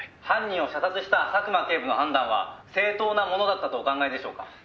「犯人を射殺した佐久間警部の判断は正当なものだったとお考えでしょうか？」